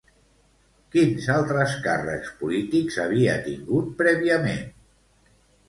Quins altres càrrecs polítics havia tingut prèviament?